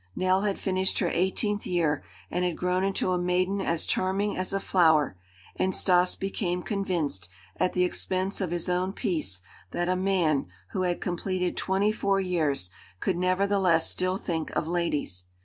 Nell had finished her eighteenth year and had grown into a maiden as charming as a flower, and Stas became convinced, at the expense of his own peace, that a man, who had completed twenty four years, could nevertheless still think of ladies.